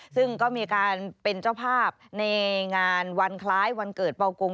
ซึ่งก็มีการเป็นเจ้าภาพในงานวันคล้ายวันเกิดเบากง